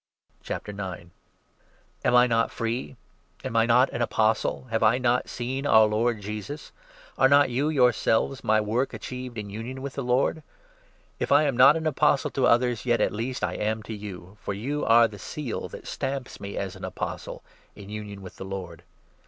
The Apo«tie'« Am I not free ? Am I not an Apostle ? Have Example. I not seen our Lord Jesus ? Are not you your selves my work achieved in union with the Lord ? Ill am not an Apostle to others, yet at least I am to you ; for you are the seal that stamps me as an Apostle in union with the' Lord.